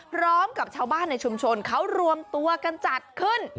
พร้อมกับชาวบ้านในชุมชนเขารวมตัวกันจัดขึ้น